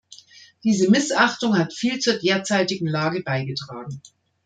Diese Missachtung hat viel zur derzeitigen Lage beigetragen.